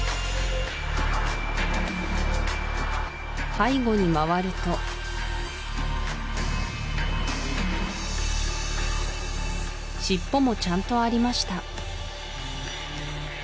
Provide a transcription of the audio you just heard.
背後に回ると尻尾もちゃんとありました